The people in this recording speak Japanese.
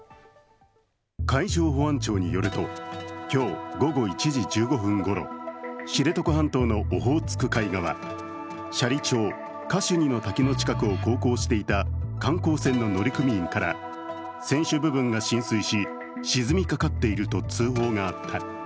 海上保安庁によると今日午後１時１５分ごろ知床半島のオホーツク海側、斜里町カシュニの滝近くを航行していた観光船の乗組員から船首部分が浸水し、沈みかかっていると通報があった。